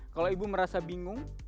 kalau ibu merasa bingung